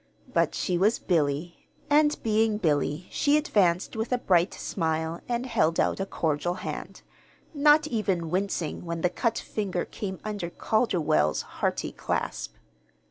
But she was Billy and being Billy, she advanced with a bright smile and held out a cordial hand not even wincing when the cut finger came under Calderwell's hearty clasp.